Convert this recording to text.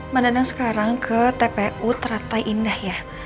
menendang sekarang ke tpu teratai indah ya